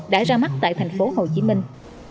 đã ra mắt tại thành phố hồ chí minh